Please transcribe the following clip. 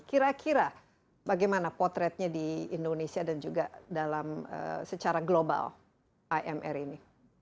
kira kira bagaimana potretnya di indonesia dan juga dalam secara global imr ini